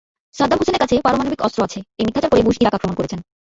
সাদ্দাম হোসেনের কাছে পারমাণবিক অস্ত্র আছে—এই মিথ্যাচার করে বুশ ইরাক আক্রমণ করেছেন।